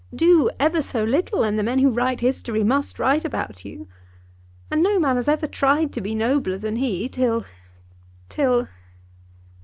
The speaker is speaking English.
Do ever so little and the men who write history must write about you. And no man has ever tried to be nobler than he till, till